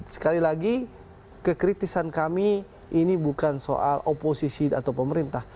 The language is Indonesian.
sekali lagi kekritisan kami ini bukan soal oposisi atau pemerintah